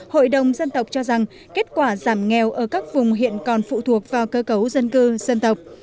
hội đồng dân tộc cho rằng kết quả giảm nghèo ở các vùng hiện còn phụ thuộc vào cơ cấu dân cư dân tộc